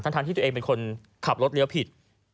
ทั้งที่ตัวเองเป็นคนขับรถเลี้ยวผิด